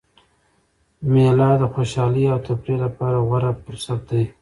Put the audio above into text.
مېله د خوشحالۍ او تفریح له پاره غوره فرصت دئ.